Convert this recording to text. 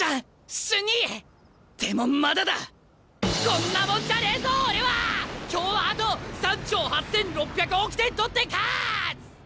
こんなもんじゃねえぞ俺は！今日はあと３兆８，６００億点取って勝つ！